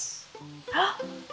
あっ！